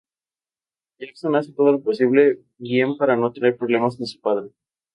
Jackson hace todo lo posible bien para no tener problemas con su padre.